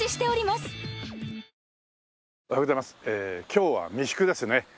今日は三宿ですね。